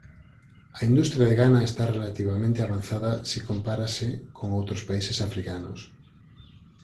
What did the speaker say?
A industria de Ghana está relativamente avanzada si compárase con outros países africanos.